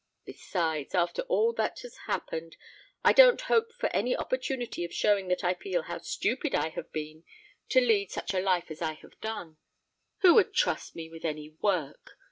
Besides, after all that has happened, I don't hope for any opportunity of showing that I feel how stupid I have been to lead such a life as I have done. Who would trust me with any work?